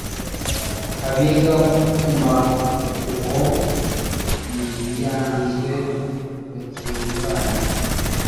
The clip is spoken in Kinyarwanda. Abiga kumahuho mubianzwe batunganya